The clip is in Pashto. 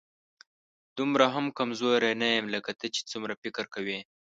دومره هم کمزوری نه یم، لکه ته چې څومره فکر کوې